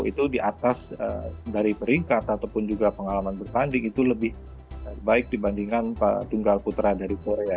itu di atas dari peringkat ataupun juga pengalaman bertanding itu lebih baik dibandingkan tunggal putra dari korea